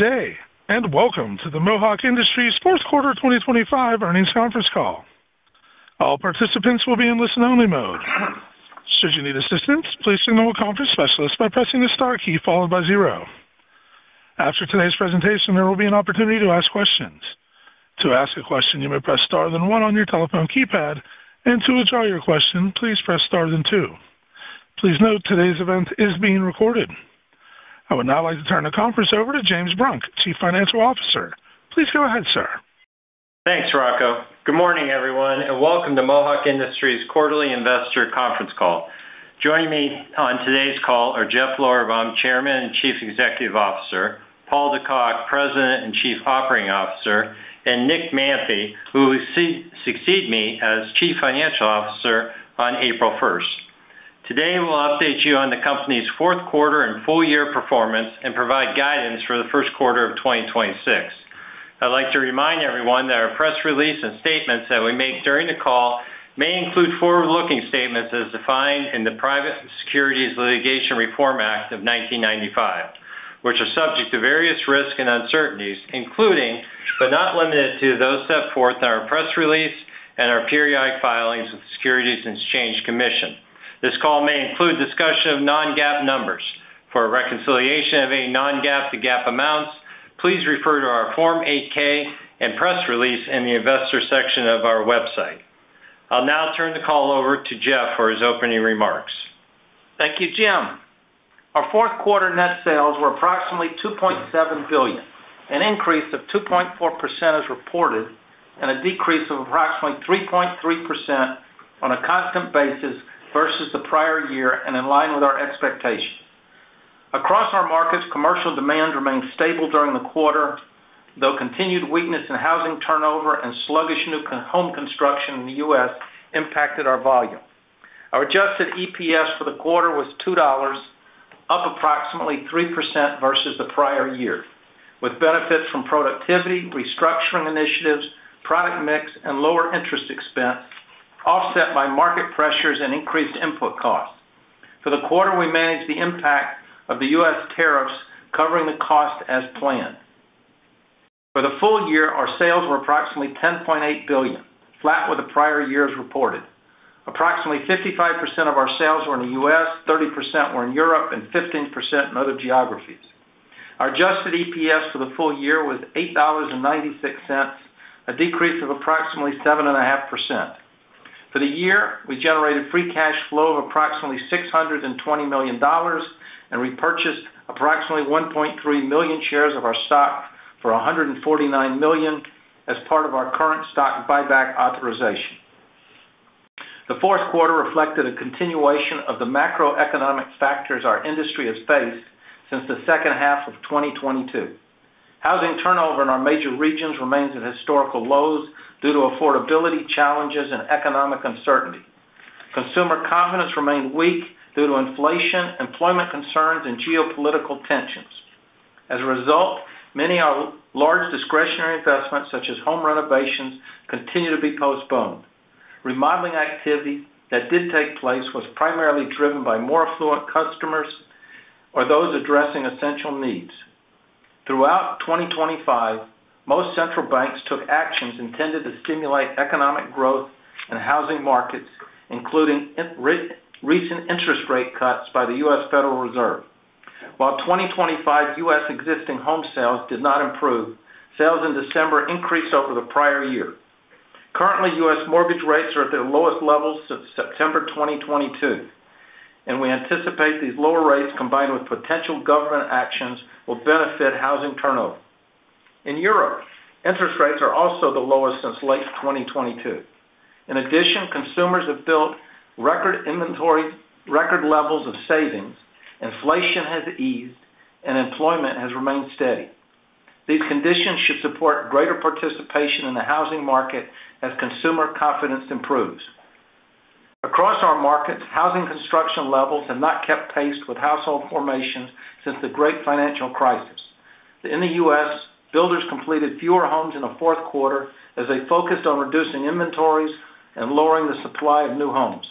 Good day, and welcome to the Mohawk Industries Fourth Quarter 2025 Earnings Conference Call. All participants will be in listen-only mode. Should you need assistance, please signal a conference specialist by pressing the star key followed by zero. After today's presentation, there will be an opportunity to ask questions. To ask a question, you may press star then one on your telephone keypad, and to withdraw your question, please press star then two. Please note, today's event is being recorded. I would now like to turn the conference over to James Brunk, Chief Financial Officer. Please go ahead, sir. Thanks, Rocco. Good morning, everyone, and welcome to Mohawk Industries Quarterly Investor Conference Call. Joining me on today's call are Jeff Lorberbaum, Chairman and Chief Executive Officer, Paul De Cock, President and Chief Operating Officer, and Nick Manthey, who will succeed me as Chief Financial Officer on April 1. Today, we'll update you on the company's fourth quarter and full year performance and provide guidance for the first quarter of 2026. I'd like to remind everyone that our press release and statements that we make during the call may include forward-looking statements as defined in the Private Securities Litigation Reform Act of 1995, which are subject to various risks and uncertainties, including, but not limited to those set forth in our press release and our periodic filings with the Securities and Exchange Commission. This call may include discussion of non-GAAP numbers. For a reconciliation of any non-GAAP to GAAP amounts, please refer to our Form 8-K and press release in the investor section of our website. I'll now turn the call over to Jeff for his opening remarks. Thank you, Jim. Our fourth quarter net sales were approximately $2.7 billion, an increase of 2.4% as reported, and a decrease of approximately 3.3% on a constant basis versus the prior year and in line with our expectations. Across our markets, commercial demand remained stable during the quarter, though continued weakness in housing turnover and sluggish new home construction in the U.S. impacted our volume. Our adjusted EPS for the quarter was $2, up approximately 3% versus the prior year, with benefits from productivity, restructuring initiatives, product mix, and lower interest expense, offset by market pressures and increased input costs. For the quarter, we managed the impact of the U.S. tariffs, covering the costs as planned. For the full year, our sales were approximately $10.8 billion, flat with the prior year's reported. Approximately 55% of our sales were in the U.S., 30% were in Europe, and 15% in other geographies. Our adjusted EPS for the full year was $8.96, a decrease of approximately 7.5%. For the year, we generated free cash flow of approximately $620 million, and repurchased approximately 1.3 million shares of our stock for $149 million as part of our current stock buyback authorization. The fourth quarter reflected a continuation of the macroeconomic factors our industry has faced since the second half of 2022. Housing turnover in our major regions remains at historical lows due to affordability challenges and economic uncertainty. Consumer confidence remained weak due to inflation, employment concerns, and geopolitical tensions. As a result, many our large discretionary investments, such as home renovations, continue to be postponed. Remodeling activity that did take place was primarily driven by more affluent customers or those addressing essential needs. Throughout 2025, most central banks took actions intended to stimulate economic growth and housing markets, including recent interest rate cuts by the U.S. Federal Reserve. While 2025 U.S. existing home sales did not improve, sales in December increased over the prior year. Currently, U.S. mortgage rates are at their lowest levels since September 2022, and we anticipate these lower rates, combined with potential government actions, will benefit housing turnover. In Europe, interest rates are also the lowest since late 2022. In addition, consumers have built record inventory, record levels of savings, inflation has eased, and employment has remained steady. These conditions should support greater participation in the housing market as consumer confidence improves. Across our markets, housing construction levels have not kept pace with household formations since the Great Financial Crisis. In the U.S., builders completed fewer homes in the fourth quarter as they focused on reducing inventories and lowering the supply of new homes.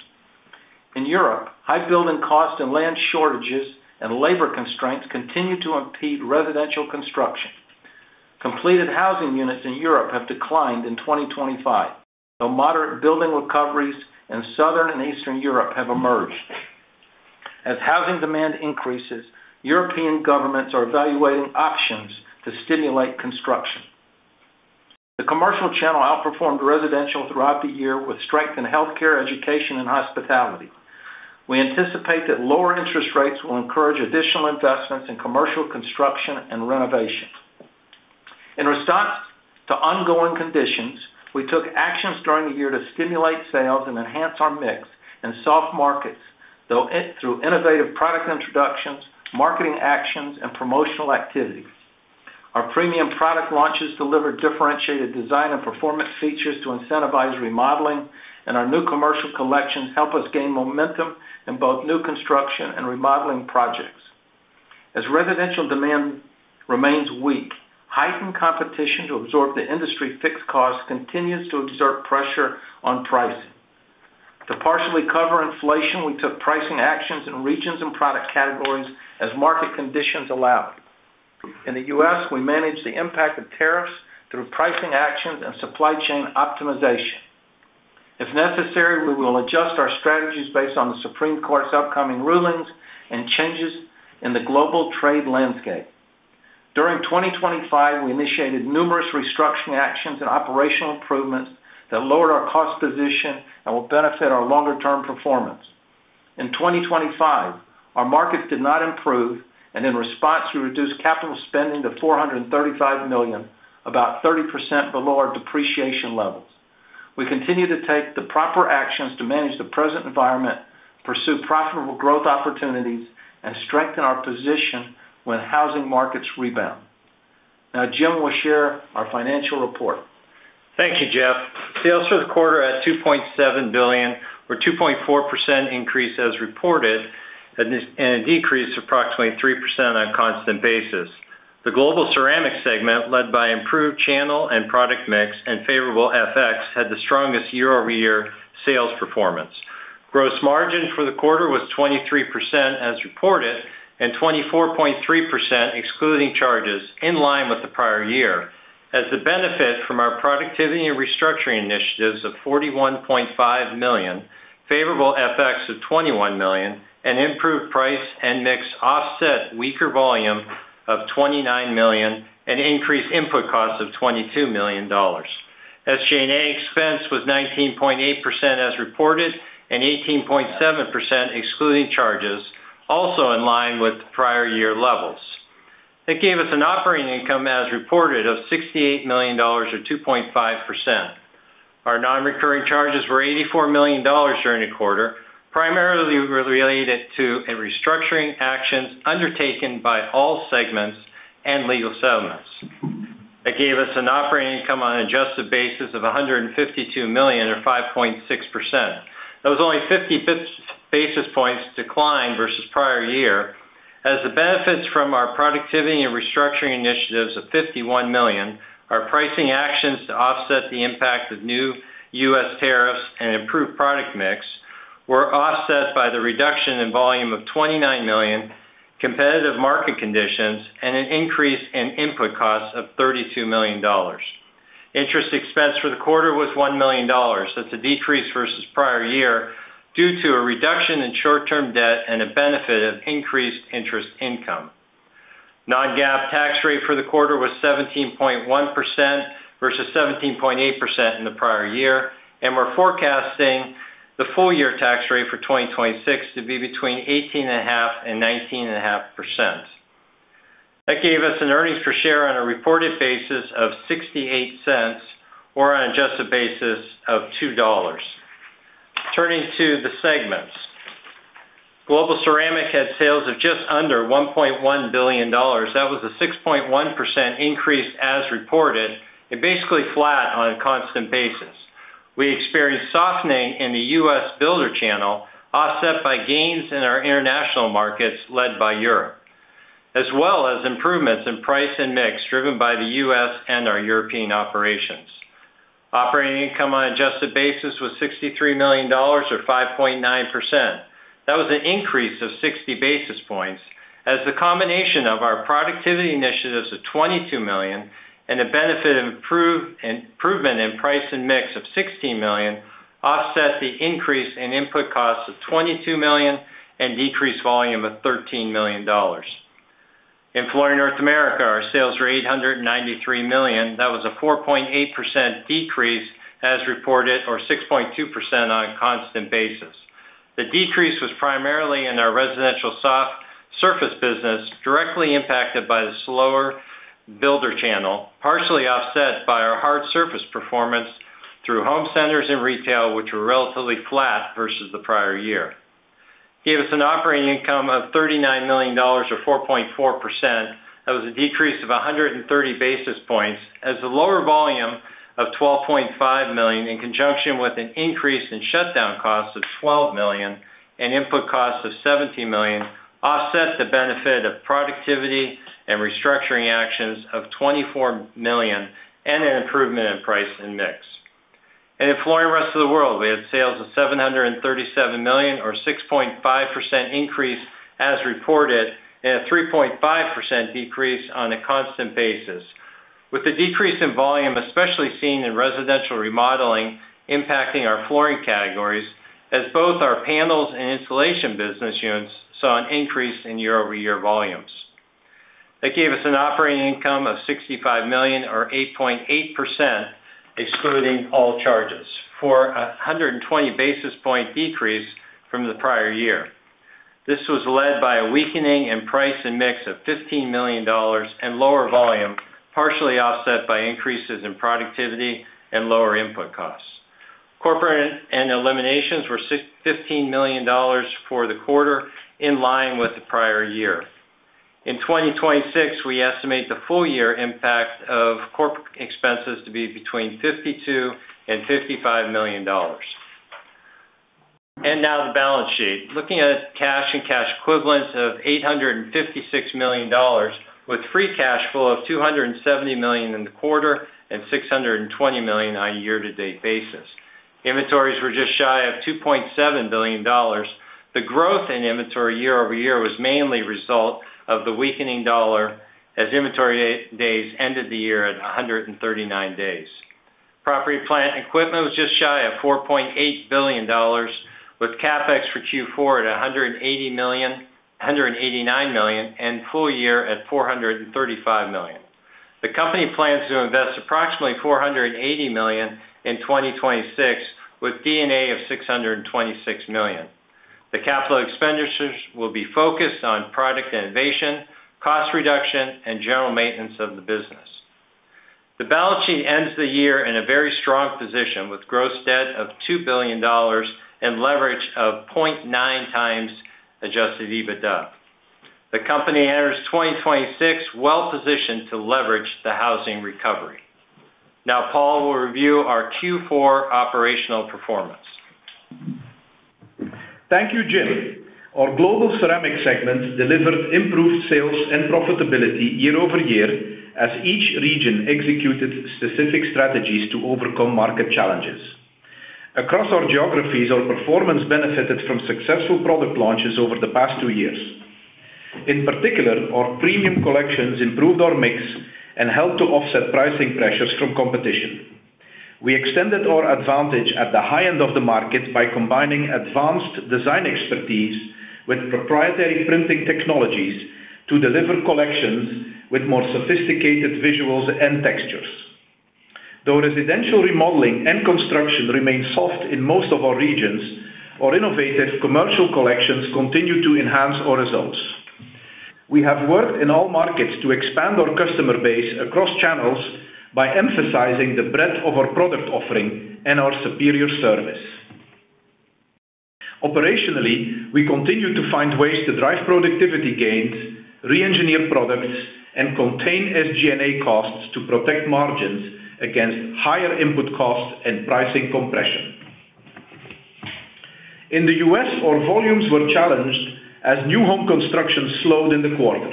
In Europe, high building costs and land shortages and labor constraints continue to impede residential construction. Completed housing units in Europe have declined in 2025, though moderate building recoveries in Southern and Eastern Europe have emerged. As housing demand increases, European governments are evaluating options to stimulate construction. The commercial channel outperformed residential throughout the year with strength in healthcare, education, and hospitality. We anticipate that lower interest rates will encourage additional investments in commercial construction and renovation. In response to ongoing conditions, we took actions during the year to stimulate sales and enhance our mix in soft markets, though through innovative product introductions, marketing actions, and promotional activities. Our premium product launches delivered differentiated design and performance features to incentivize remodeling, and our new commercial collections help us gain momentum in both new construction and remodeling projects. As residential demand remains weak, heightened competition to absorb the industry fixed costs continues to exert pressure on pricing. To partially cover inflation, we took pricing actions in regions and product categories as market conditions allowed. In the U.S., we managed the impact of tariffs through pricing actions and supply chain optimization. If necessary, we will adjust our strategies based on the Supreme Court's upcoming rulings and changes in the global trade landscape. During 2025, we initiated numerous restructuring actions and operational improvements that lowered our cost position and will benefit our longer-term performance. In 2025, our markets did not improve, and in response, we reduced capital spending to $435 million, about 30% below our depreciation levels. We continue to take the proper actions to manage the present environment, pursue profitable growth opportunities, and strengthen our position when housing markets rebound. Now, Jim will share our financial report. Thank you, Jeff. Sales for the quarter at $2.7 billion were 2.4% increase as reported, and a decrease of approximately 3% on a constant basis. The Global Ceramic segment, led by improved channel and product mix and favorable FX, had the strongest year-over-year sales performance. Gross margin for the quarter was 23% as reported, and 24.3% excluding charges, in line with the prior year. As the benefit from our productivity and restructuring initiatives of $41.5 million, favorable FX of $21 million, and improved price and mix offset weaker volume of $29 million and increased input costs of $22 million. SG&A expense was 19.8% as reported, and 18.7% excluding charges, also in line with the prior year levels. That gave us an operating income as reported of $68 million, or 2.5%. Our non-recurring charges were $84 million during the quarter, primarily related to a restructuring actions undertaken by all segments and legal settlements. That gave us an operating income on an adjusted basis of $152 million, or 5.6%. That was only fifty basis points decline versus prior year, as the benefits from our productivity and restructuring initiatives of $51 million, our pricing actions to offset the impact of new U.S. tariffs and improved product mix were offset by the reduction in volume of $29 million, competitive market conditions, and an increase in input costs of $32 million. Interest expense for the quarter was $1 million. That's a decrease versus prior year due to a reduction in short-term debt and a benefit of increased interest income. Non-GAAP tax rate for the quarter was 17.1% versus 17.8% in the prior year, and we're forecasting the full year tax rate for 2026 to be between 18.5% and 19.5%. That gave us an earnings per share on a reported basis of $0.68 or on an adjusted basis of $2. Turning to the segments. Global Ceramic had sales of just under $1.1 billion. That was a 6.1% increase as reported, and basically flat on a constant basis. We experienced softening in the U.S. builder channel, offset by gains in our international markets, led by Europe, as well as improvements in price and mix, driven by the U.S. and our European operations. Operating income on an adjusted basis was $63 million, or 5.9%. That was an increase of 60 basis points, as the combination of our productivity initiatives of $22 million and the benefit of improvement in price and mix of $16 million offset the increase in input costs of $22 million and decreased volume of $13 million. In Flooring North America, our sales were $893 million. That was a 4.8% decrease as reported, or 6.2% on a constant basis. The decrease was primarily in our residential soft surface business, directly impacted by the slower builder channel, partially offset by our hard surface performance through home centers and retail, which were relatively flat versus the prior year. Gave us an operating income of $39 million, or 4.4%. That was a decrease of 130 basis points, as the lower volume of $12.5 million, in conjunction with an increase in shutdown costs of $12 million and input costs of $17 million, offset the benefit of productivity and restructuring actions of $24 million and an improvement in price and mix. In Flooring Rest of the World, we had sales of $737 million, or 6.5% increase as reported, and a 3.5% decrease on a constant basis, with the decrease in volume, especially seen in residential remodeling, impacting our flooring categories, as both our panels and insulation business units saw an increase in year-over-year volumes. That gave us an operating income of $65 million, or 8.8%, excluding all charges, for a 120 basis point decrease from the prior year. This was led by a weakening in price and mix of $15 million and lower volume, partially offset by increases in productivity and lower input costs. Corporate and Eliminations were -$15 million for the quarter, in line with the prior year. In 2026, we estimate the full year impact of corporate expenses to be between $52 million and $55 million. Now the balance sheet. Looking at cash and cash equivalents of $856 million, with free cash flow of $270 million in the quarter and $620 million on a year-to-date basis. Inventories were just shy of $2.7 billion. The growth in inventory year-over-year was mainly a result of the weakening dollar, as inventory days ended the year at 139 days. Property, plant, and equipment was just shy of $4.8 billion, with CapEx for Q4 at $180 million, $189 million, and full year at $435 million. The company plans to invest approximately $480 million in 2026, with CapEx of $626 million. The capital expenditures will be focused on product innovation, cost reduction, and general maintenance of the business. The balance sheet ends the year in a very strong position, with gross debt of $2 billion and leverage of 0.9x adjusted EBITDA. The company enters 2026 well positioned to leverage the housing recovery. Now, Paul will review our Q4 operational performance. Thank you, Jim. Our Global Ceramic segment delivered improved sales and profitability year-over-year, as each region executed specific strategies to overcome market challenges. Across our geographies, our performance benefited from successful product launches over the past two years. In particular, our premium collections improved our mix and helped to offset pricing pressures from competition. We extended our advantage at the high end of the market by combining advanced design expertise with proprietary printing technologies to deliver collections with more sophisticated visuals and textures. Though residential remodeling and construction remain soft in most of our regions, our innovative commercial collections continue to enhance our results. We have worked in all markets to expand our customer base across channels by emphasizing the breadth of our product offering and our superior service. Operationally, we continue to find ways to drive productivity gains, reengineer products, and contain SG&A costs to protect margins against higher input costs and pricing compression. In the U.S., our volumes were challenged as new home construction slowed in the quarter.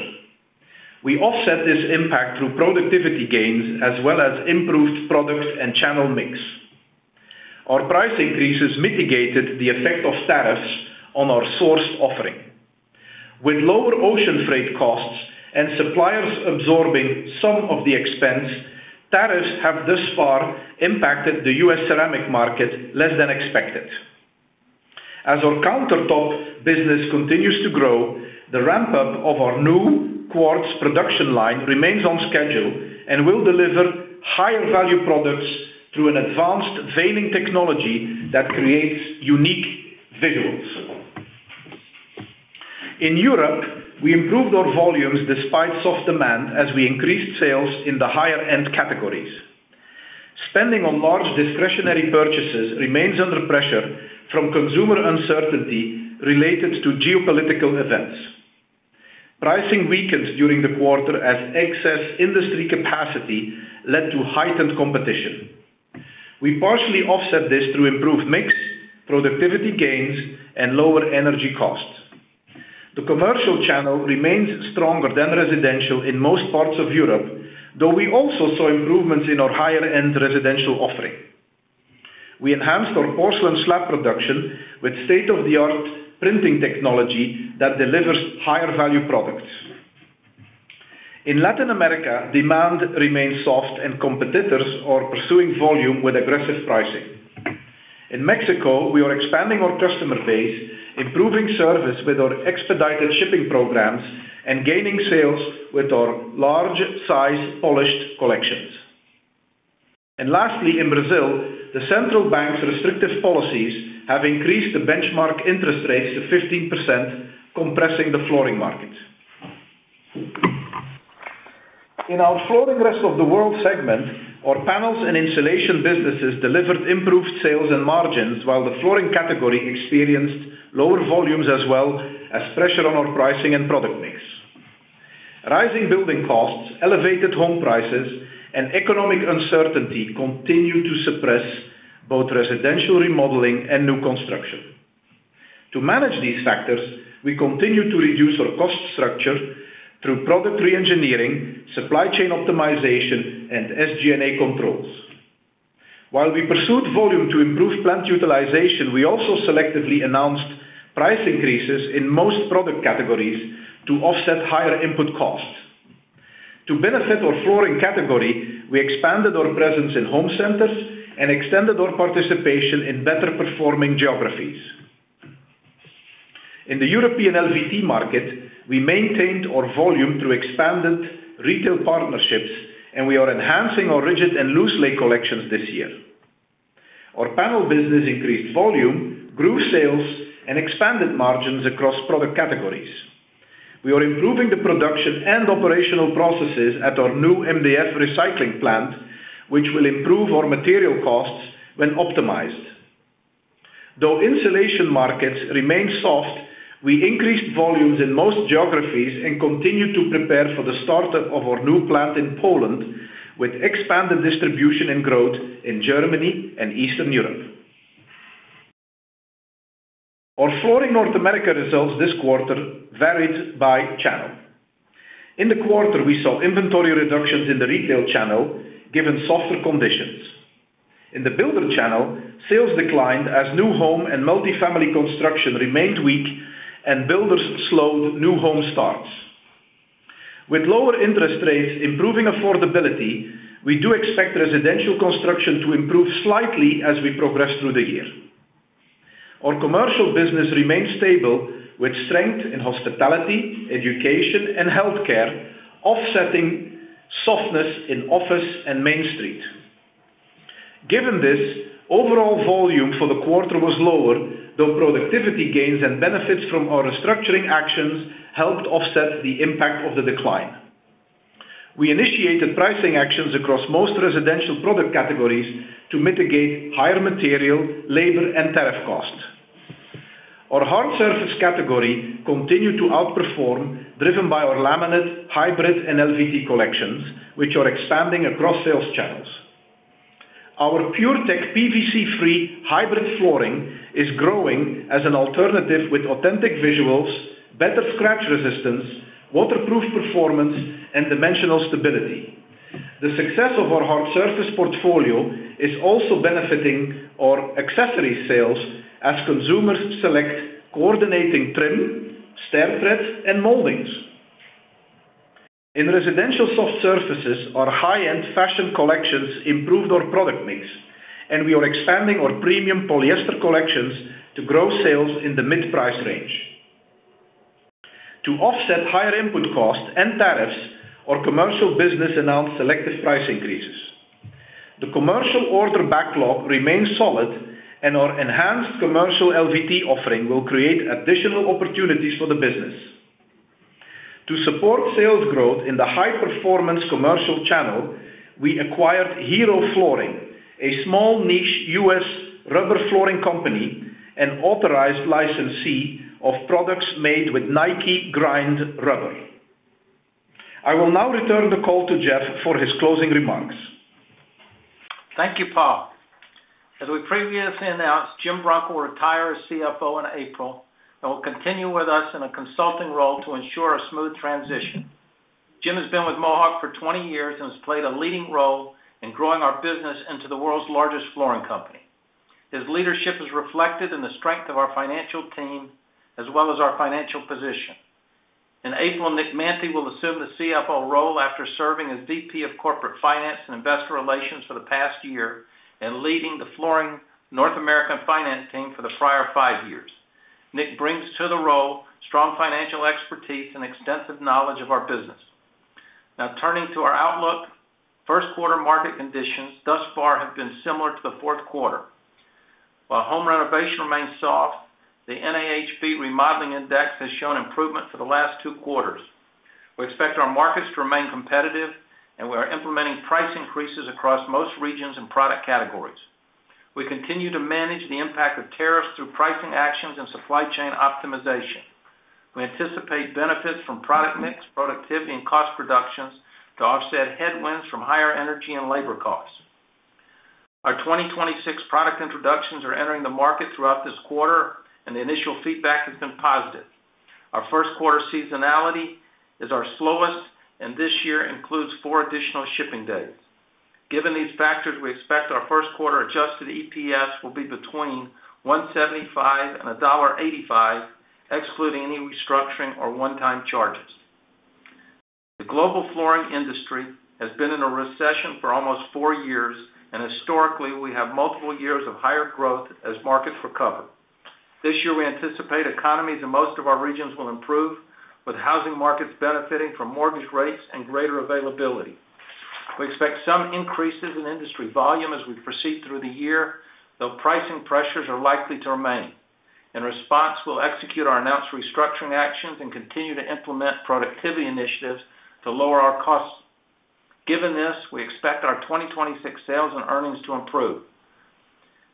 We offset this impact through productivity gains, as well as improved products and channel mix. Our price increases mitigated the effect of tariffs on our sourced offering. With lower ocean freight costs and suppliers absorbing some of the expense, tariffs have thus far impacted the U.S. ceramic market less than expected. As our countertop business continues to grow, the ramp-up of our new quartz production line remains on schedule and will deliver higher value products through an advanced veining technology that creates unique visuals. In Europe, we improved our volumes despite soft demand, as we increased sales in the higher-end categories. Spending on large discretionary purchases remains under pressure from consumer uncertainty related to geopolitical events. Pricing weakened during the quarter as excess industry capacity led to heightened competition. We partially offset this through improved mix, productivity gains, and lower energy costs. The commercial channel remains stronger than residential in most parts of Europe, though we also saw improvements in our higher-end residential offering. We enhanced our porcelain slab production with state-of-the-art printing technology that delivers higher value products. In Latin America, demand remains soft and competitors are pursuing volume with aggressive pricing. In Mexico, we are expanding our customer base, improving service with our expedited shipping programs, and gaining sales with our large size polished collections. And lastly, in Brazil, the central bank's restrictive policies have increased the benchmark interest rate to 15%, compressing the flooring market. In our Flooring Rest of the World segment, our panels and insulation businesses delivered improved sales and margins, while the flooring category experienced lower volumes, as well as pressure on our pricing and product mix. Rising building costs, elevated home prices, and economic uncertainty continue to suppress both residential remodeling and new construction. To manage these factors, we continue to reduce our cost structure through product reengineering, supply chain optimization, and SG&A controls. While we pursued volume to improve plant utilization, we also selectively announced price increases in most product categories to offset higher input costs. To benefit our flooring category, we expanded our presence in home centers and extended our participation in better-performing geographies. In the European LVT market, we maintained our volume through expanded retail partnerships, and we are enhancing our rigid and loose-lay collections this year. Our panel business increased volume, grew sales, and expanded margins across product categories. We are improving the production and operational processes at our new MDF recycling plant, which will improve our material costs when optimized. Though insulation markets remain soft, we increased volumes in most geographies and continued to prepare for the startup of our new plant in Poland, with expanded distribution and growth in Germany and Eastern Europe. Our Flooring North America results this quarter varied by channel. In the quarter, we saw inventory reductions in the retail channel, given softer conditions. In the builder channel, sales declined as new home and multifamily construction remained weak and builders slowed new home starts. With lower interest rates improving affordability, we do expect residential construction to improve slightly as we progress through the year. Our commercial business remains stable, with strength in hospitality, education, and healthcare, offsetting softness in office and Main Street. Given this, overall volume for the quarter was lower, though productivity gains and benefits from our restructuring actions helped offset the impact of the decline. We initiated pricing actions across most residential product categories to mitigate higher material, labor, and tariff costs. Our hard surface category continued to outperform, driven by our laminate, hybrid, and LVT collections, which are expanding across sales channels. Our PureTech PVC-free hybrid flooring is growing as an alternative with authentic visuals, better scratch resistance, waterproof performance, and dimensional stability. The success of our hard surface portfolio is also benefiting our accessory sales as consumers select coordinating trim, stair treads, and moldings. In residential soft surfaces, our high-end fashion collections improved our product mix, and we are expanding our premium polyester collections to grow sales in the mid-price range. To offset higher input costs and tariffs, our commercial business announced selective price increases. The commercial order backlog remains solid, and our enhanced commercial LVT offering will create additional opportunities for the business. To support sales growth in the high-performance commercial channel, we acquired Hero Flooring, a small niche U.S. rubber flooring company and authorized licensee of products made with Nike Grind rubber. I will now return the call to Jeff for his closing remarks. Thank you, Paul. As we previously announced, Jim Brunk will retire as CFO in April and will continue with us in a consulting role to ensure a smooth transition. Jim has been with Mohawk for 20 years and has played a leading role in growing our business into the world's largest flooring company. His leadership is reflected in the strength of our financial team as well as our financial position. In April, Nick Manthey will assume the CFO role after serving as VP of Corporate Finance and Investor Relations for the past year and leading the Flooring North America finance team for the prior five years. Nick brings to the role strong financial expertise and extensive knowledge of our business. Now, turning to our outlook. First quarter market conditions thus far have been similar to the fourth quarter. While home renovation remains soft, the NAHB Remodeling Index has shown improvement for the last two quarters. We expect our markets to remain competitive, and we are implementing price increases across most regions and product categories. We continue to manage the impact of tariffs through pricing actions and supply chain optimization. We anticipate benefits from product mix, productivity, and cost reductions to offset headwinds from higher energy and labor costs. Our 2026 product introductions are entering the market throughout this quarter, and the initial feedback has been positive. Our first quarter seasonality is our slowest, and this year includes four additional shipping days. Given these factors, we expect our first quarter adjusted EPS will be between $1.75 and $1.85, excluding any restructuring or one-time charges. The global flooring industry has been in a recession for almost four years, and historically, we have multiple years of higher growth as markets recover. This year, we anticipate economies in most of our regions will improve, with housing markets benefiting from mortgage rates and greater availability. We expect some increases in industry volume as we proceed through the year, though pricing pressures are likely to remain. In response, we'll execute our announced restructuring actions and continue to implement productivity initiatives to lower our costs. Given this, we expect our 2026 sales and earnings to improve.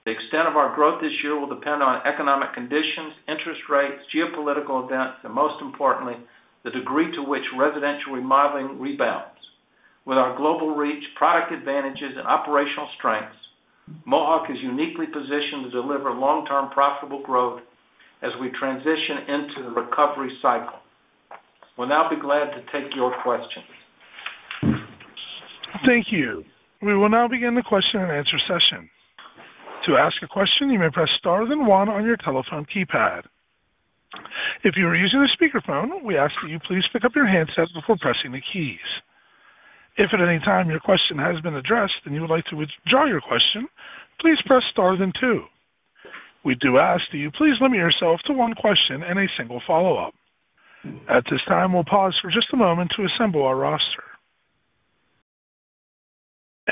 The extent of our growth this year will depend on economic conditions, interest rates, geopolitical events, and most importantly, the degree to which residential remodeling rebounds. With our global reach, product advantages, and operational strengths, Mohawk is uniquely positioned to deliver long-term profitable growth as we transition into the recovery cycle. We'll now be glad to take your questions. Thank you. We will now begin the question-and-answer session. To ask a question, you may press star then one on your telephone keypad. If you are using a speakerphone, we ask that you please pick up your handset before pressing the keys. If at any time your question has been addressed and you would like to withdraw your question, please press star then two. We do ask that you please limit yourself to one question and a single follow-up. At this time, we'll pause for just a moment to assemble our roster.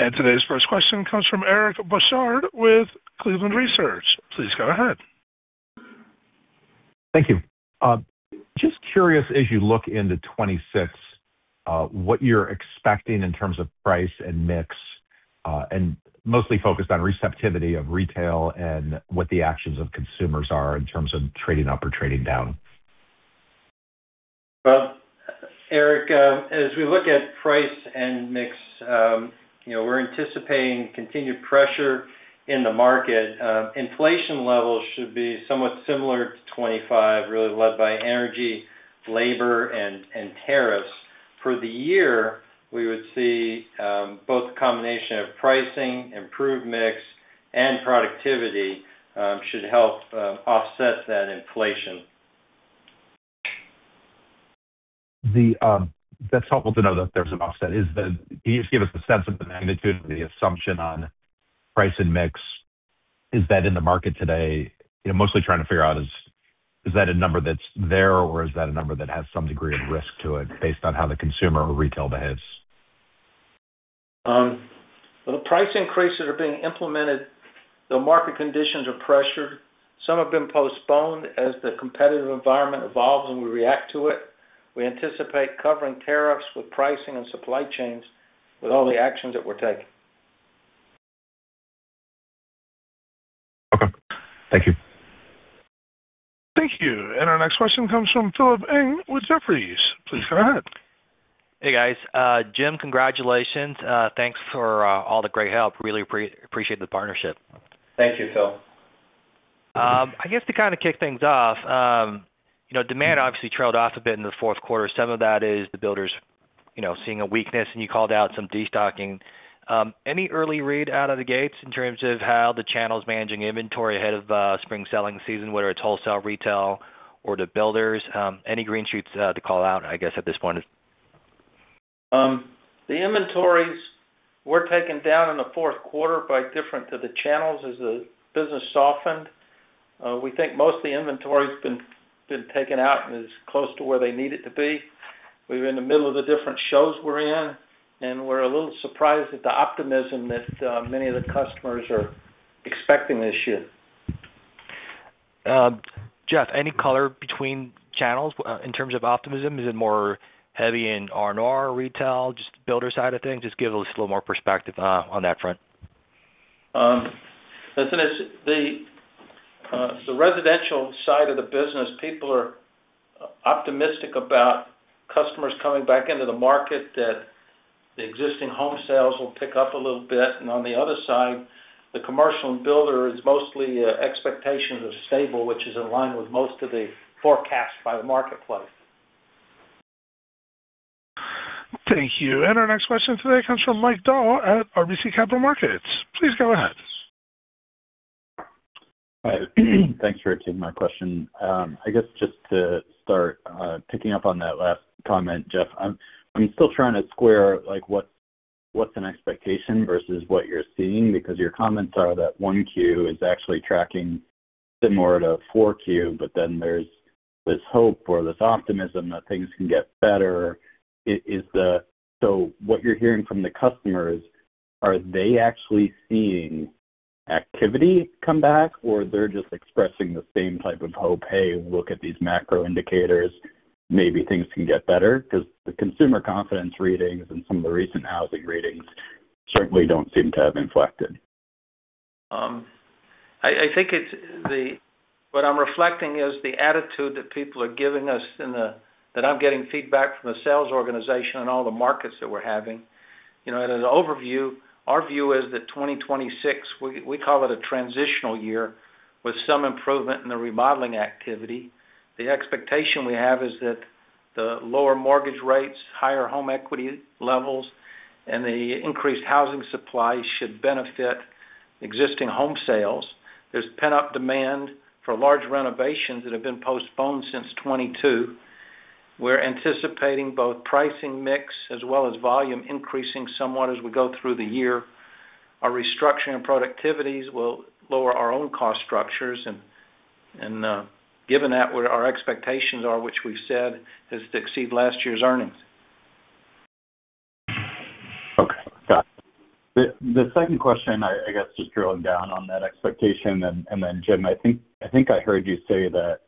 Today's first question comes from Eric Bosshard with Cleveland Research. Please go ahead. Thank you. Just curious, as you look into 2026, what you're expecting in terms of price and mix, and mostly focused on receptivity of retail and what the actions of consumers are in terms of trading up or trading down? Well, Eric, as we look at price and mix, you know, we're anticipating continued pressure in the market. Inflation levels should be somewhat similar to 2025, really led by energy, labor, and tariffs. For the year, we would see both the combination of pricing, improved mix, and productivity should help offset that inflation. That's helpful to know that there's an offset. Can you just give us a sense of the magnitude of the assumption on price and mix? Is that in the market today? You know, mostly trying to figure out, is that a number that's there, or is that a number that has some degree of risk to it based on how the consumer or retail behaves? The price increases are being implemented, the market conditions are pressured. Some have been postponed as the competitive environment evolves, and we react to it. We anticipate covering tariffs with pricing and supply chains with all the actions that we're taking. Okay. Thank you. Thank you. Our next question comes from Philip Ng with Jefferies. Please go ahead. Hey, guys. Jim, congratulations. Thanks for all the great help. Really appreciate the partnership. Thank you, Phil. I guess to kind of kick things off, you know, demand obviously trailed off a bit in the fourth quarter. Some of that is the builders, you know, seeing a weakness, and you called out some destocking. Any early read out of the gates in terms of how the channel's managing inventory ahead of spring selling season, whether it's wholesale, retail, or the builders? Any green shoots to call out, I guess, at this point? The inventories were taken down in the fourth quarter by different channels as the business softened. We think most of the inventory's been taken out and is close to where they need it to be. We're in the middle of the different shows we're in, and we're a little surprised at the optimism that many of the customers are expecting this year. Jeff, any color between channels in terms of optimism? Is it more heavy in R&R or retail, just builder side of things? Just give us a little more perspective on that front. Listen, it's the residential side of the business, people are optimistic about customers coming back into the market, that the existing home sales will pick up a little bit. And on the other side, the commercial and builder is mostly, expectations are stable, which is in line with most of the forecasts by the marketplace. Thank you. Our next question today comes from Mike Dahl at RBC Capital Markets. Please go ahead. Hi. Thanks for taking my question. I guess just to start, picking up on that last comment, Jeff, I'm, I'm still trying to square, like, what, what's an expectation versus what you're seeing? Because your comments are that 1Q is actually tracking similar to 4Q, but then there's this hope or this optimism that things can get better. So what you're hearing from the customers, are they actually seeing activity come back, or they're just expressing the same type of hope, "Hey, look at these macro indicators, maybe things can get better?" 'Cause the consumer confidence readings and some of the recent housing readings certainly don't seem to have inflected. I think it's the, what I'm reflecting is the attitude that people are giving us in the—that I'm getting feedback from the sales organization on all the markets that we're having. You know, in an overview, our view is that 2026, we call it a transitional year, with some improvement in the remodeling activity. The expectation we have is that the lower mortgage rates, higher home equity levels, and the increased housing supply should benefit existing home sales. There's pent-up demand for large renovations that have been postponed since 2022. We're anticipating both pricing mix as well as volume increasing somewhat as we go through the year. Our restructuring and productivities will lower our own cost structures, and given that, what our expectations are, which we've said, is to exceed last year's earnings. Okay. Got it. The second question, I guess, just drilling down on that expectation, and then, Jim, I think I heard you say that,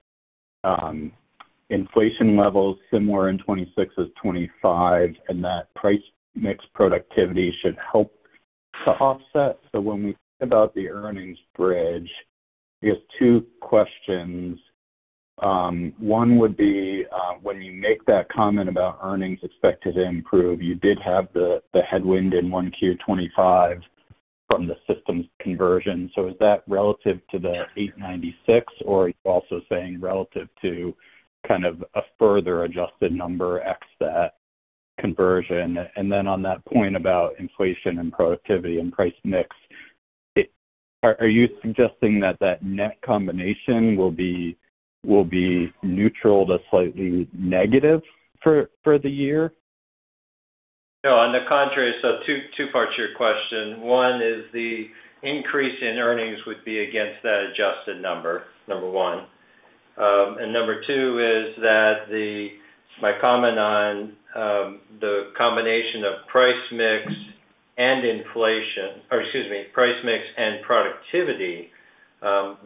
inflation levels similar in 2026 as 2025, and that price mix productivity should help to offset. So when we think about the earnings bridge, I guess two questions. One would be, when you make that comment about earnings expected to improve, you did have the headwind in 1Q 2025 from the systems conversion. So is that relative to the $8.96, or are you also saying relative to kind of a further adjusted number ex that conversion? And then on that point about inflation and productivity and price mix, it—are you suggesting that that net combination will be neutral to slightly negative for the year? No, on the contrary. So two, two parts to your question. One is the increase in earnings would be against that adjusted number, number one. And number two is that the, my comment on, the combination of price mix and inflation, or excuse me, price mix and productivity,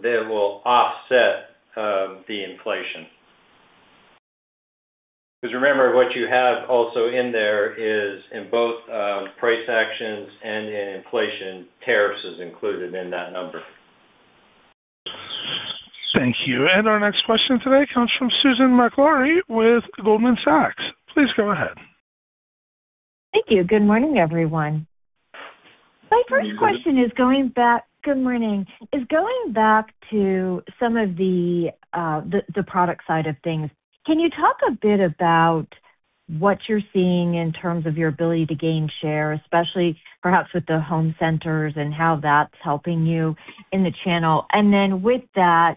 they will offset the inflation. Because remember, what you have also in there is, in both price actions and in inflation, tariffs is included in that number. Thank you. Our next question today comes from Susan Maklari with Goldman Sachs. Please go ahead. Thank you. Good morning, everyone. My first question is going back to some of the product side of things. Can you talk a bit about what you're seeing in terms of your ability to gain share, especially perhaps with the home centers and how that's helping you in the channel? And then with that,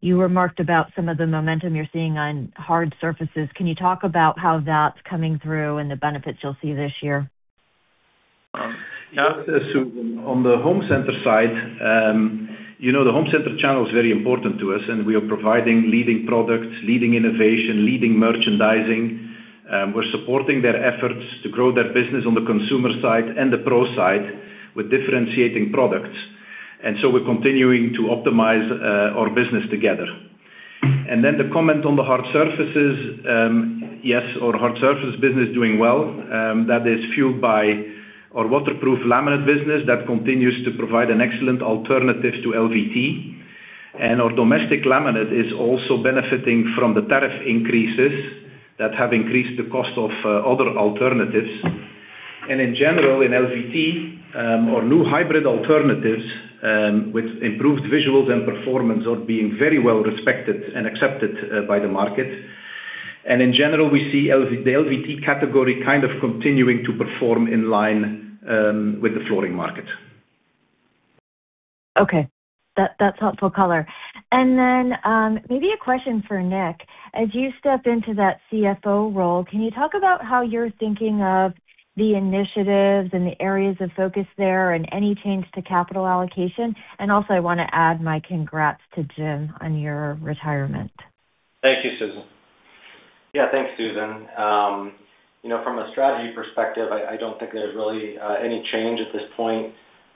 you remarked about some of the momentum you're seeing on hard surfaces. Can you talk about how that's coming through and the benefits you'll see this year? Yeah, Susan, on the home center side, you know, the home center channel is very important to us, and we are providing leading products, leading innovation, leading merchandising. We're supporting their efforts to grow their business on the consumer side and the pro side with differentiating products. And so we're continuing to optimize our business together. Then the comment on the hard surfaces, yes, our hard surface business is doing well. That is fueled by our waterproof laminate business that continues to provide an excellent alternative to LVT. Our domestic laminate is also benefiting from the tariff increases that have increased the cost of other alternatives. In general, in LVT, our new hybrid alternatives with improved visuals and performance are being very well respected and accepted by the market. In general, we see the LVT category kind of continuing to perform in line with the flooring market. Okay, that, that's helpful color. And then, maybe a question for Nick. As you step into that CFO role, can you talk about how you're thinking of the initiatives and the areas of focus there, and any change to capital allocation? And also, I wanna add my congrats to Jim on your retirement. Thank you, Susan. Yeah, thanks, Susan. You know, from a strategy perspective, I, I don't think there's really any change at this point.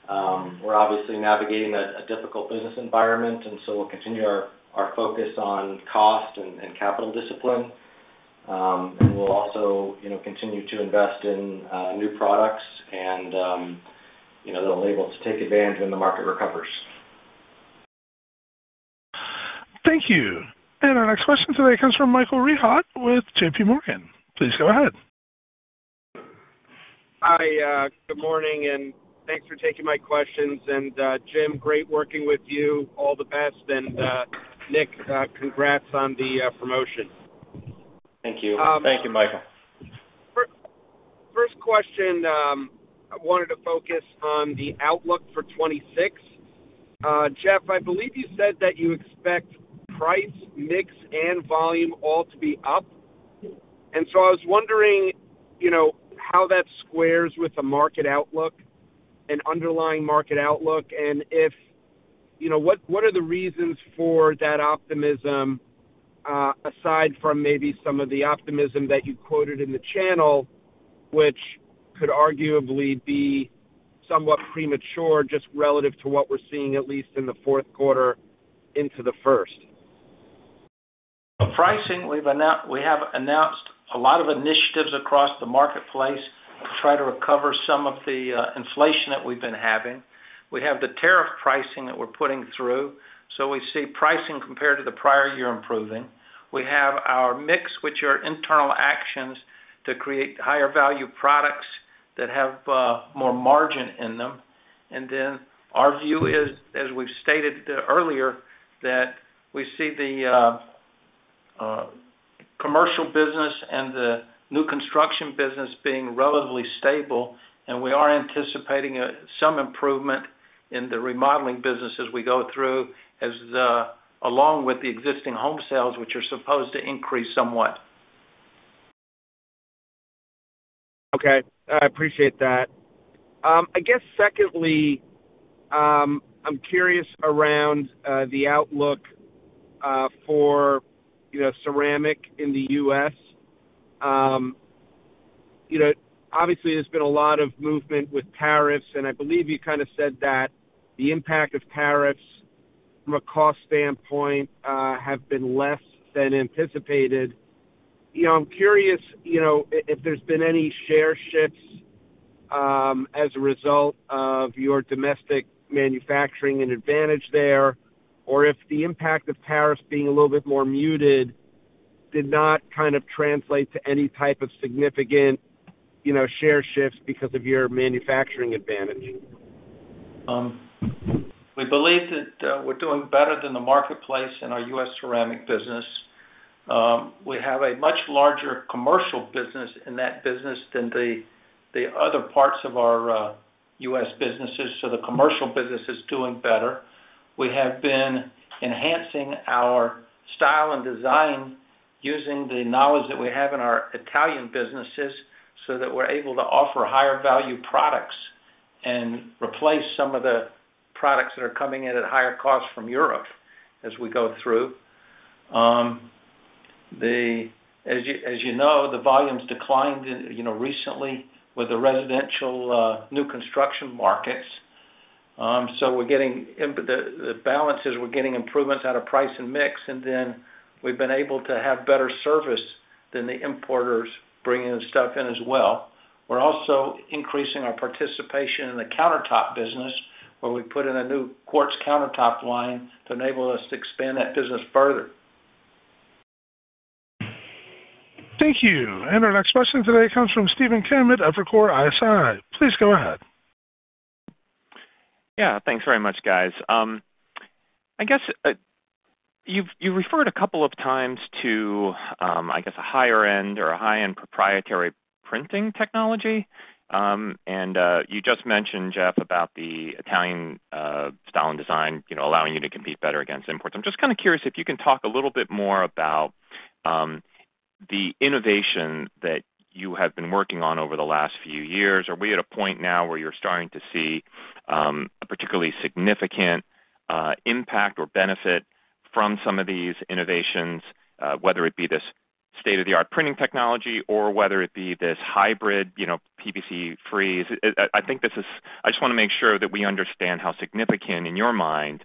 We're obviously navigating a difficult business environment, and so we'll continue our focus on cost and capital discipline. And we'll also, you know, continue to invest in new products and, you know, that'll able to take advantage when the market recovers. Thank you. And our next question today comes from Michael Rehaut with JPMorgan. Please go ahead. Hi, good morning, and thanks for taking my questions. And, Jim, great working with you. All the best, and, Nick, congrats on the promotion. Thank you. Thank you, Michael. First question, I wanted to focus on the outlook for 2026. Jeff, I believe you said that you expect price, mix, and volume all to be up. And so I was wondering, you know, how that squares with the market outlook and underlying market outlook, and if, you know, what, what are the reasons for that optimism, aside from maybe some of the optimism that you quoted in the channel, which could arguably be somewhat premature, just relative to what we're seeing, at least in the fourth quarter into the first? Well, pricing, we've announced a lot of initiatives across the marketplace to try to recover some of the inflation that we've been having. We have the tariff pricing that we're putting through, so we see pricing compared to the prior year improving. We have our mix, which are internal actions to create higher value products that have more margin in them. And then our view is, as we've stated earlier, that we see the commercial business and the new construction business being relatively stable, and we are anticipating some improvement in the remodeling business as we go through, along with the existing home sales, which are supposed to increase somewhat. Okay, I appreciate that. I guess secondly, I'm curious around the outlook for, you know, ceramic in the U.S. You know, obviously, there's been a lot of movement with tariffs, and I believe you kind of said that the impact of tariffs from a cost standpoint have been less than anticipated. You know, I'm curious, you know, if there's been any share shifts as a result of your domestic manufacturing and advantage there, or if the impact of tariffs being a little bit more muted did not kind of translate to any type of significant, you know, share shifts because of your manufacturing advantage. We believe that, we're doing better than the marketplace in our U.S. ceramic business. We have a much larger commercial business in that business than the other parts of our U.S. businesses, so the commercial business is doing better. We have been enhancing our style and design using the knowledge that we have in our Italian businesses, so that we're able to offer higher value products and replace some of the products that are coming in at higher costs from Europe as we go through. As you know, the volumes declined, you know, recently with the residential new construction markets. So the balance is we're getting improvements out of price and mix, and then we've been able to have better service than the importers bringing the stuff in as well. We're also increasing our participation in the countertop business, where we put in a new quartz countertop line to enable us to expand that business further. Thank you. Our next question today comes from Stephen Kim at Evercore ISI. Please go ahead. Yeah, thanks very much, guys. I guess you've referred a couple of times to I guess a higher end or a high-end proprietary printing technology. You just mentioned, Jeff, about the Italian style and design, you know, allowing you to compete better against imports. I'm just kind of curious if you can talk a little bit more about the innovation that you have been working on over the last few years. Are we at a point now where you're starting to see a particularly significant impact or benefit from some of these innovations, whether it be this state-of-the-art printing technology or whether it be this hybrid, you know, PVC-free? I think this is. I just wanna make sure that we understand how significant, in your mind,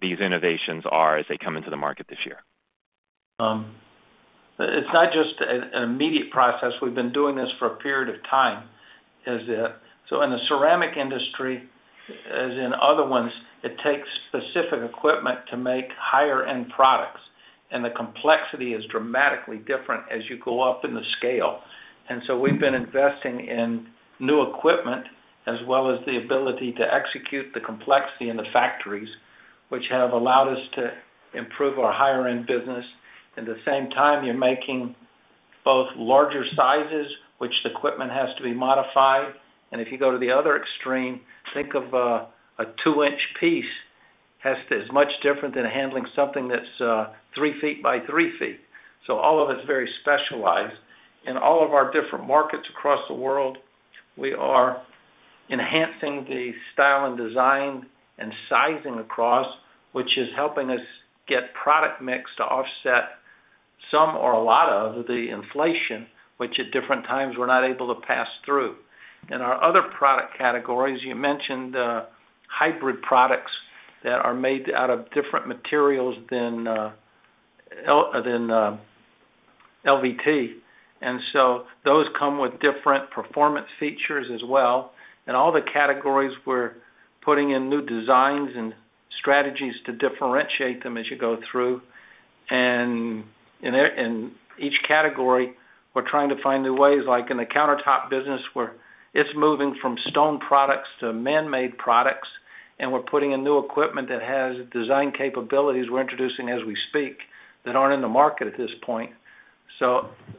these innovations are as they come into the market this year. It's not just an immediate process. We've been doing this for a period of time. So in the ceramic industry, as in other ones, it takes specific equipment to make higher end products, and the complexity is dramatically different as you go up in the scale. So we've been investing in new equipment, as well as the ability to execute the complexity in the factories, which have allowed us to improve our higher end business. At the same time, you're making both larger sizes, which the equipment has to be modified, and if you go to the other extreme, think of a 2-inch piece has to is much different than handling something that's three feet by three feet. So all of it's very specialized. In all of our different markets across the world, we are enhancing the style and design and sizing across, which is helping us get product mix to offset some or a lot of the inflation, which at different times, we're not able to pass through. In our other product categories, you mentioned, hybrid products that are made out of different materials than LVT, and so those come with different performance features as well. In all the categories, we're putting in new designs and strategies to differentiate them as you go through. In each category, we're trying to find new ways, like in the countertop business, where it's moving from stone products to man-made products, and we're putting in new equipment that has design capabilities we're introducing as we speak, that aren't in the market at this point.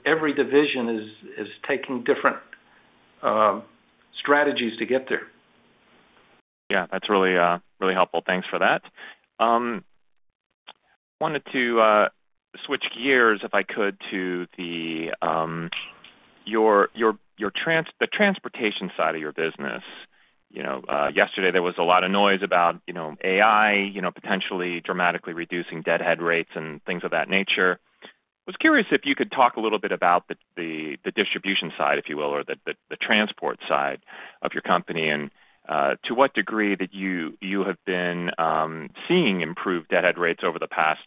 Every division is taking different strategies to get there. Yeah, that's really, really helpful. Thanks for that. Wanted to switch gears, if I could, to the transportation side of your business. You know, yesterday there was a lot of noise about, you know, AI, you know, potentially dramatically reducing deadhead rates and things of that nature. I was curious if you could talk a little bit about the distribution side, if you will, or the transport side of your company, and to what degree that you have been seeing improved deadhead rates over the past,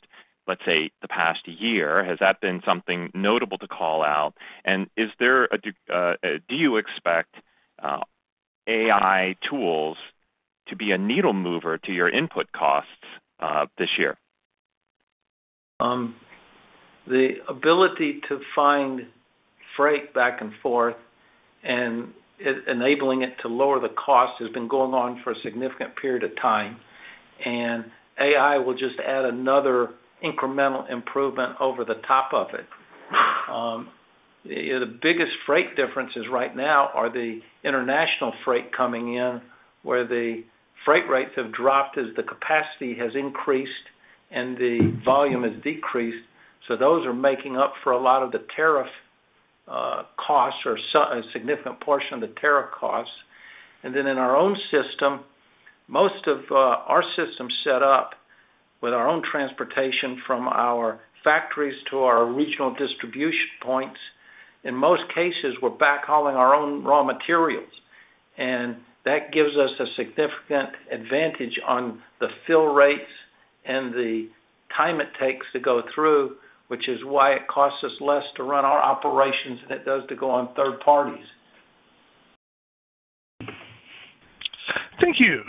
let's say, the past year. Has that been something notable to call out? And do you expect AI tools to be a needle mover to your input costs this year? The ability to find freight back and forth and enabling it to lower the cost has been going on for a significant period of time, and AI will just add another incremental improvement over the top of it. The biggest freight differences right now are the international freight coming in, where the freight rates have dropped as the capacity has increased and the volume has decreased. So those are making up for a lot of the tariff costs or a significant portion of the tariff costs. And then in our own system, most of our system is set up with our own transportation from our factories to our regional distribution points. In most cases, we're backhauling our own raw materials, and that gives us a significant advantage on the fill rates and the time it takes to go through, which is why it costs us less to run our operations than it does to go on third parties. Thank you.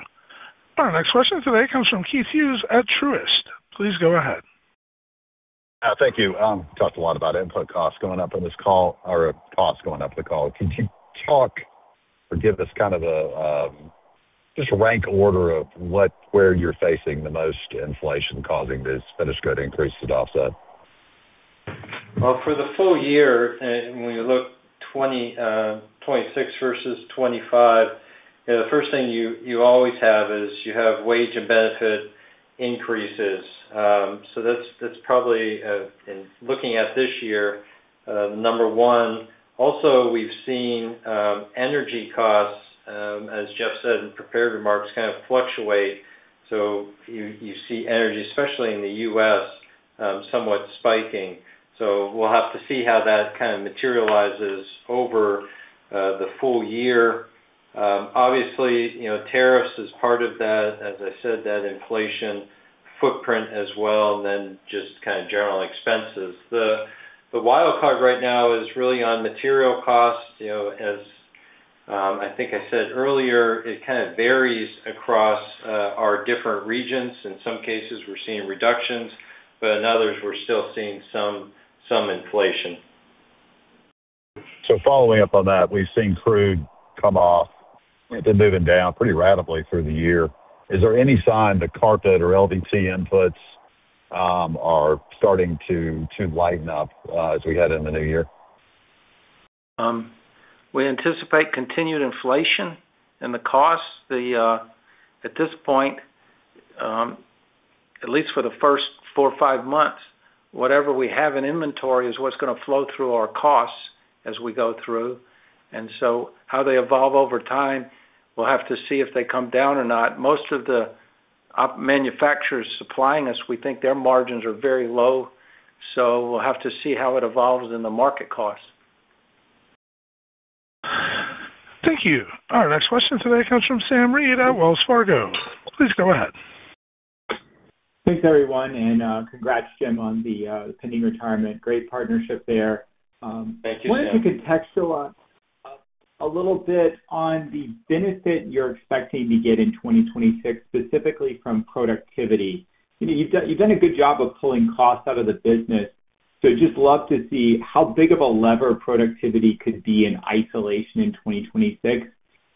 Our next question today comes from Keith Hughes at Truist. Please go ahead. Thank you. Talked a lot about input costs going up on this call, or costs going up on the call. Can you talk or give us kind of a just a rank order of what, where you're facing the most inflation causing this finished good increase to offset? Well, for the full year, and when you look 2026 versus 2025, the first thing you always have is you have wage and benefit increases. So that's probably, in looking at this year, number one. Also, we've seen energy costs, as Jeff said in prepared remarks, kind of fluctuate. So you see energy, especially in the U.S., somewhat spiking. So we'll have to see how that kind of materializes over the full year. Obviously, you know, tariffs is part of that, as I said, that inflation footprint as well, and then just kind of general expenses. The wild card right now is really on material costs. You know, as I think I said earlier, it kind of varies across our different regions. In some cases, we're seeing reductions, but in others, we're still seeing some inflation. So following up on that, we've seen crude come off. It's been moving down pretty rapidly through the year. Is there any sign that carpet or LVT inputs are starting to lighten up as we head in the new year? We anticipate continued inflation in the costs. At this point, at least for the first four or five months, whatever we have in inventory is what's going to flow through our costs as we go through. And so how they evolve over time, we'll have to see if they come down or not. Most of the manufacturers supplying us, we think their margins are very low, so we'll have to see how it evolves in the market costs. Thank you. Our next question today comes from Sam Reid at Wells Fargo. Please go ahead. Thanks, everyone, and congrats, Jim, on the pending retirement. Great partnership there. Thank you, Sam. Wanted to contextualize a little bit on the benefit you're expecting to get in 2026, specifically from productivity. You know, you've done, you've done a good job of pulling costs out of the business, so just love to see how big of a lever productivity could be in isolation in 2026.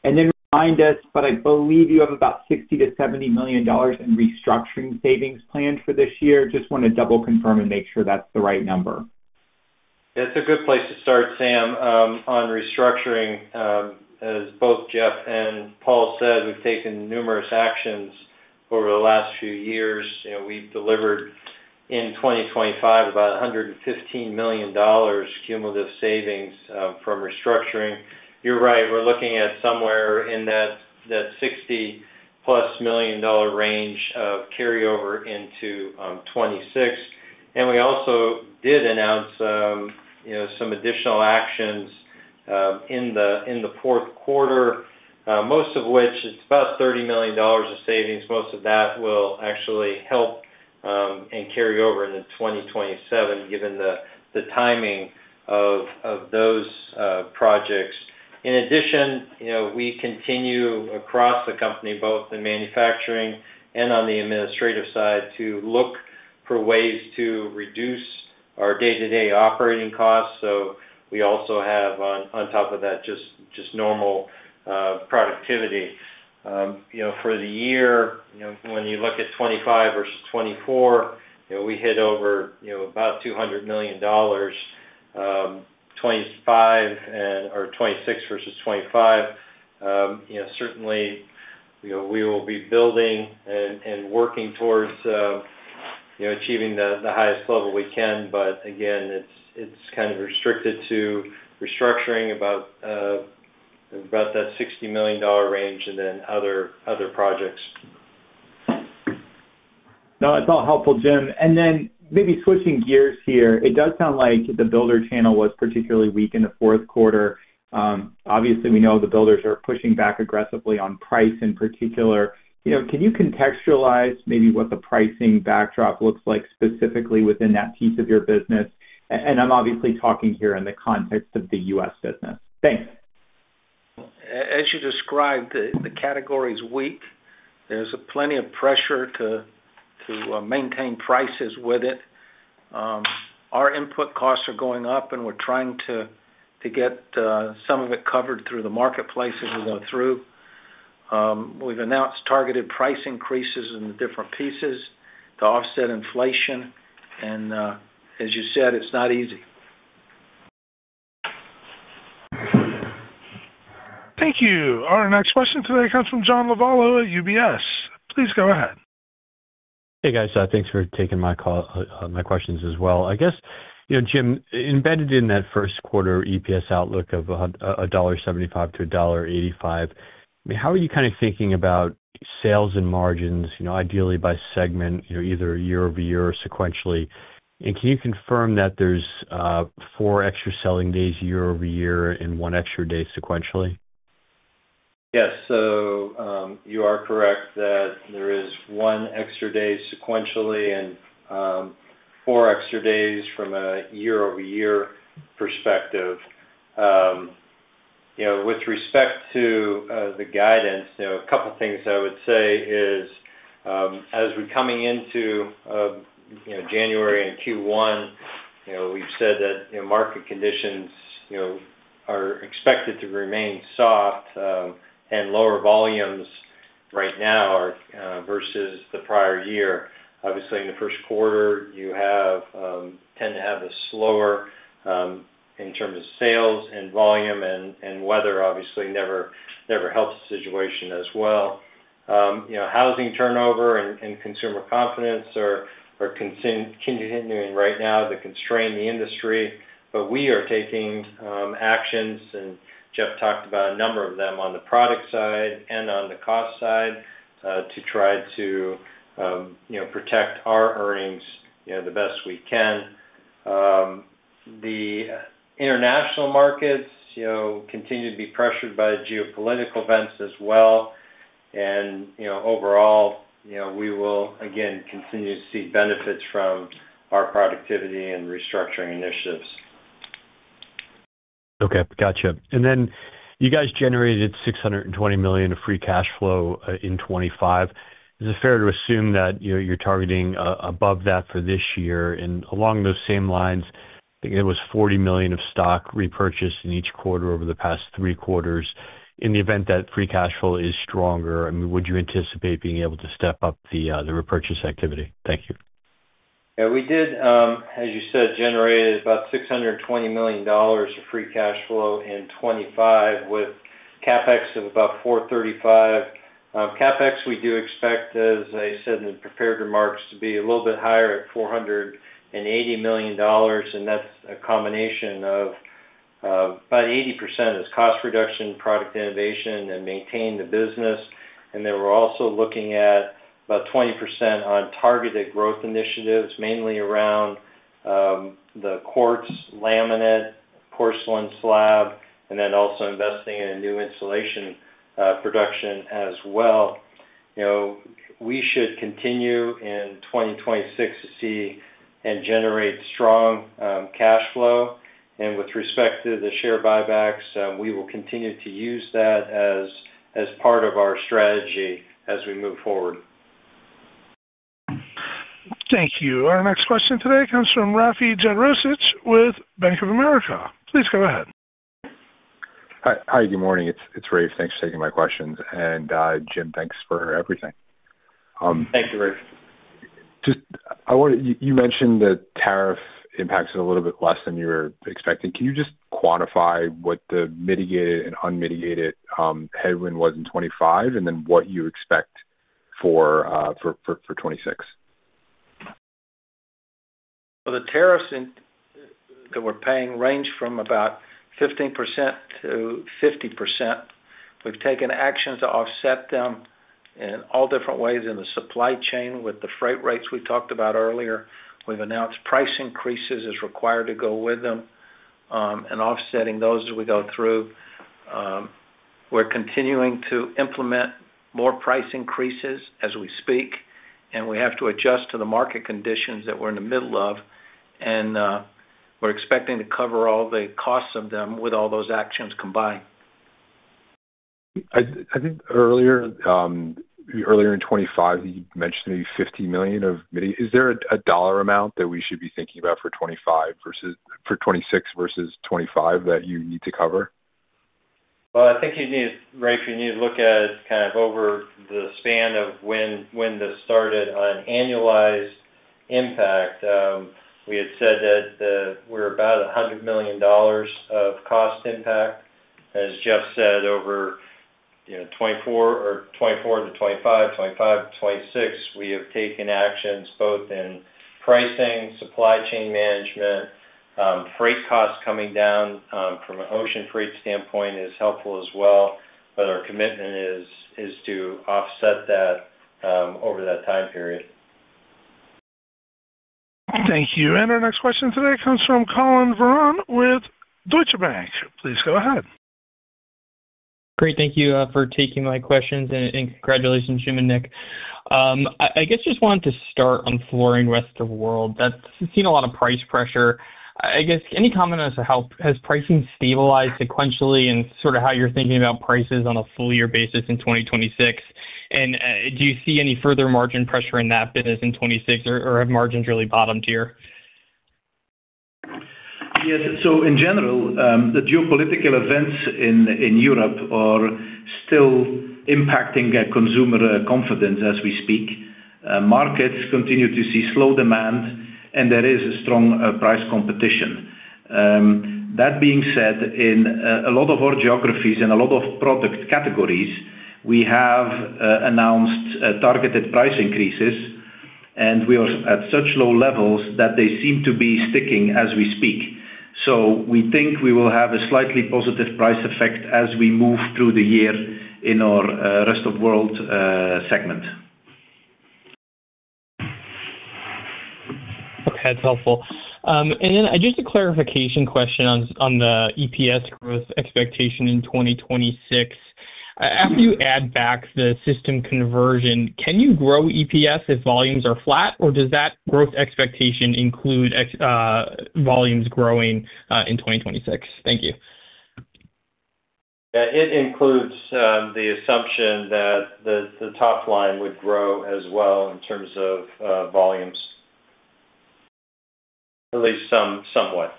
And then remind us, but I believe you have about $60 million-$70 million in restructuring savings planned for this year. Just want to double confirm and make sure that's the right number. That's a good place to start, Sam. On restructuring, as both Jeff and Paul said, we've taken numerous actions over the last few years. You know, we've delivered in 2025, about $115 million cumulative savings from restructuring. You're right, we're looking at somewhere in that $60+ million range of carryover into 2026. We also did announce, you know, some additional actions in the fourth quarter, most of which it's about $30 million of savings. Most of that will actually help and carry over into 2027, given the timing of those projects. In addition, you know, we continue across the company, both in manufacturing and on the administrative side, to look for ways to reduce our day-to-day operating costs. So we also have on top of that, just normal productivity. You know, for the year, you know, when you look at 2025 versus 2024, you know, we hit over, you know, about $200 million, 2025 and—or 2026 versus 2025. You know, certainly, you know, we will be building and working towards, you know, achieving the highest level we can. But again, it's kind of restricted to restructuring about that $60 million range and then other projects. No, it's all helpful, Jim. And then maybe switching gears here, it does sound like the builder channel was particularly weak in the fourth quarter. Obviously, we know the builders are pushing back aggressively on price in particular. You know, can you contextualize maybe what the pricing backdrop looks like, specifically within that piece of your business? And, I'm obviously talking here in the context of the U.S. business. Thanks. As you described, the category is weak. There's plenty of pressure to maintain prices with it. Our input costs are going up, and we're trying to get some of it covered through the marketplace as we go through. We've announced targeted price increases in the different pieces to offset inflation, and as you said, it's not easy. Thank you. Our next question today comes from John Lovallo at UBS. Please go ahead. Hey, guys. Thanks for taking my call, my questions as well. I guess, you know, Jim, embedded in that first quarter EPS outlook of $1.75-$1.85, how are you kind of thinking about sales and margins, you know, ideally by segment, you know, either year-over-year or sequentially? And can you confirm that there's four extra selling days year-over-year and one extra day sequentially? Yes. So, you are correct that there is one extra day sequentially and, four extra days from a year-over-year perspective. You know, with respect to, the guidance, you know, a couple of things I would say is, as we're coming into, you know, January and Q1, you know, we've said that, you know, market conditions, you know, are expected to remain soft, and lower volumes right now are, versus the prior year. Obviously, in the first quarter, you have, tend to have a slower, in terms of sales and volume and, and weather, obviously, never, never helps the situation as well. You know, housing turnover and, and consumer confidence are, are continuing right now to constrain the industry. But we are taking actions, and Jeff talked about a number of them on the product side and on the cost side to try to, you know, protect our earnings, you know, the best we can. The international markets, you know, continue to be pressured by geopolitical events as well. And, you know, overall, you know, we will again continue to see benefits from our productivity and restructuring initiatives. Okay, gotcha. And then you guys generated $620 million of free cash flow in 2025. Is it fair to assume that, you know, you're targeting above that for this year? And along those same lines, I think it was $40 million of stock repurchased in each quarter over the past three quarters. In the event that free cash flow is stronger, I mean, would you anticipate being able to step up the repurchase activity? Thank you. Yeah, we did, as you said, generate about $620 million of free cash flow in 2025, with CapEx of about $435 million. CapEx, we do expect, as I said in the prepared remarks, to be a little bit higher at $480 million, and that's a combination of, of about 80% is cost reduction, product innovation, and maintain the business. And then we're also looking at about 20% on targeted growth initiatives, mainly around the quartz, laminate, porcelain slab, and then also investing in a new insulation production as well. You know, we should continue in 2026 to see and generate strong cash flow. And with respect to the share buybacks, we will continue to use that as, as part of our strategy as we move forward. Thank you. Our next question today comes from Rafe Jadrosich with Bank of America. Please go ahead. Hi. Hi, good morning. It's Rafe. Thanks for taking my questions. Jim, thanks for everything. Thank you, Rafe. Just, I want to, you mentioned the tariff impact is a little bit less than you were expecting. Can you just quantify what the mitigated and unmitigated headwind was in 2025, and then what you expect for 2026? Well, the tariffs that we're paying range from about 15%-50%. We've taken action to offset them in all different ways in the supply chain with the freight rates we talked about earlier. We've announced price increases as required to go with them, and offsetting those as we go through. We're continuing to implement more price increases as we speak, and we have to adjust to the market conditions that we're in the middle of, and we're expecting to cover all the costs of them with all those actions combined. I think earlier in 2025, you mentioned maybe $50 million. Is there a dollar amount that we should be thinking about for 2025 versus—for 2026 versus 2025, that you need to cover? Well, I think you need, Rafe, you need to look at kind of over the span of when, when this started on an annualized impact. We had said that, we're about $100 million of cost impact. As Jeff said, over, you know, 2024 or 2024-2025, 2025-2026, we have taken actions both in pricing, supply chain management, freight costs coming down, from an ocean freight standpoint is helpful as well. But our commitment is, is to offset that, over that time period. Thank you. Our next question today comes from Collin Verron with Deutsche Bank. Please go ahead. Great. Thank you for taking my questions, and congratulations, Jim and Nick. I guess just wanted to start on Flooring Rest of the World. That's seen a lot of price pressure. I guess, any comment as to how has pricing stabilized sequentially, and sort of how you're thinking about prices on a full-year basis in 2026? And do you see any further margin pressure in that business in 2026, or have margins really bottomed here? Yes. So in general, the geopolitical events in Europe are still impacting consumer confidence as we speak. Markets continue to see slow demand, and there is a strong price competition. That being said, in a lot of our geographies and a lot of product categories, we have announced targeted price increases, and we are at such low levels that they seem to be sticking as we speak. So we think we will have a slightly positive price effect as we move through the year in our Rest of World segment. Okay, that's helpful. And then just a clarification question on the EPS growth expectation in 2026. After you add back the system conversion, can you grow EPS if volumes are flat, or does that growth expectation include volumes growing in 2026? Thank you. Yeah, it includes the assumption that the top line would grow as well in terms of volumes, at least some, somewhat.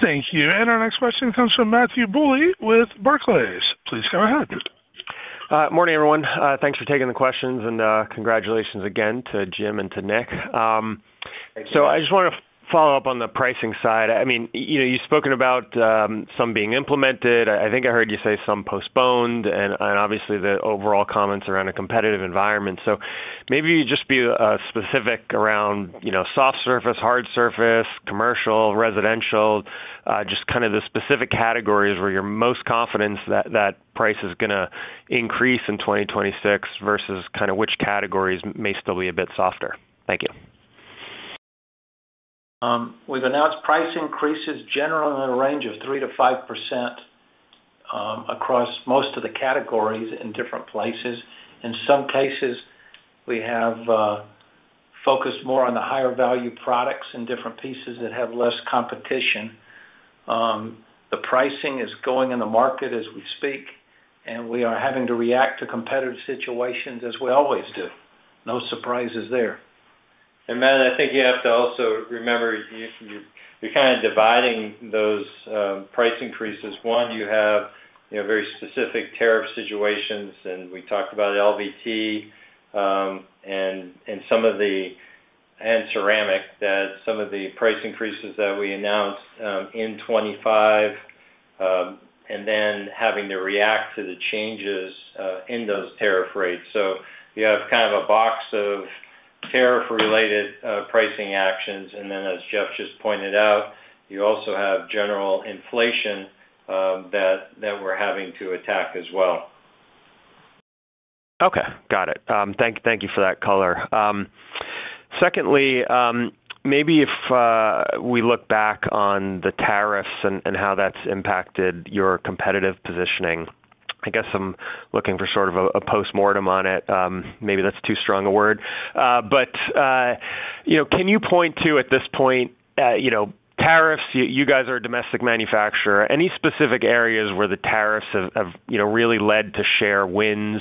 Thank you. Our next question comes from Matthew Bouley with Barclays. Please go ahead. Morning, everyone. Thanks for taking the questions, and congratulations again to Jim and to Nick. Thank you. I just want to follow up on the pricing side. I mean, you know, you've spoken about some being implemented. I think I heard you say some postponed, and obviously, the overall comments around a competitive environment. So maybe you just be specific around, you know, soft surface, hard surface, commercial, residential, just kind of the specific categories where you're most confident that that price is gonna increase in 2026 versus kind of which categories may still be a bit softer. Thank you. We've announced price increases generally in a range of 3%-5%, across most of the categories in different places. In some cases, we have focused more on the higher value products in different pieces that have less competition. The pricing is going in the market as we speak, and we are having to react to competitive situations as we always do. No surprises there. Matt, I think you have to also remember, you're kind of dividing those price increases. One, you have, you know, very specific tariff situations, and we talked about LVT and ceramic, that some of the price increases that we announced in 2025 and then having to react to the changes in those tariff rates. So you have kind of a box of tariff-related pricing actions, and then as Jeff just pointed out, you also have general inflation that we're having to attack as well. Okay, got it. Thank you for that color. Secondly, maybe if we look back on the tariffs and how that's impacted your competitive positioning, I guess I'm looking for sort of a postmortem on it. Maybe that's too strong a word, but you know, can you point to, at this point, you know, tariffs, you guys are a domestic manufacturer. Any specific areas where the tariffs have you know, really led to share wins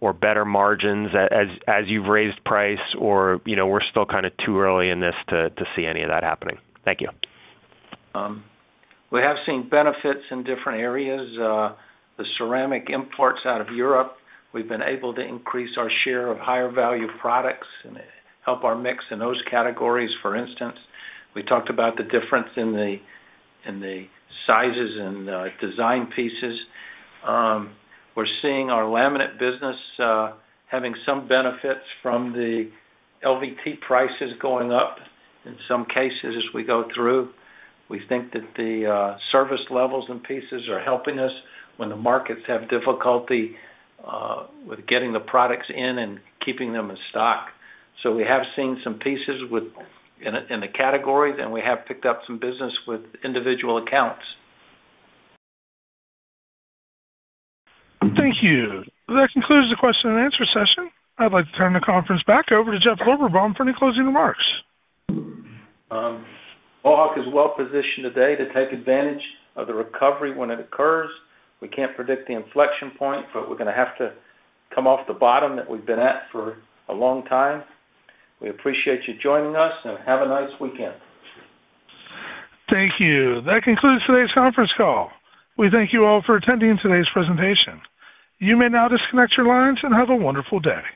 or better margins as you've raised price, or you know, we're still kind of too early in this to see any of that happening? Thank you. We have seen benefits in different areas, the ceramic imports out of Europe, we've been able to increase our share of higher value products and help our mix in those categories, for instance. We talked about the difference in the sizes and design pieces. We're seeing our laminate business having some benefits from the LVT prices going up in some cases as we go through. We think that the service levels and pieces are helping us when the markets have difficulty with getting the products in and keeping them in stock. So we have seen some pieces within the categories, and we have picked up some business with individual accounts. Thank you. That concludes the question and answer session. I'd like to turn the conference back over to Jeffrey Lorberbaum for any closing remarks. Mohawk is well positioned today to take advantage of the recovery when it occurs. We can't predict the inflection point, but we're going to have to come off the bottom that we've been at for a long time. We appreciate you joining us, and have a nice weekend. Thank you. That concludes today's conference call. We thank you all for attending today's presentation. You may now disconnect your lines and have a wonderful day.